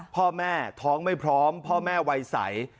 พ่อแม่ท้องไม่พร้อมพ่อแม่วัยใส